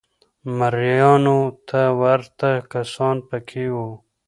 مریانو ته ورته کسان په کې وو